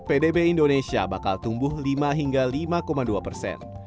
pdb indonesia bakal tumbuh lima hingga lima dua persen